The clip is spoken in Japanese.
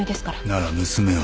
なら娘は？